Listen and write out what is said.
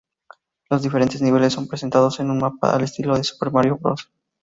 Los diferentes niveles son presentados en un mapa al estilo de Super Mario Bros.